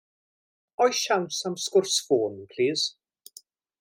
Oes siawns am sgwrs ffôn plîs?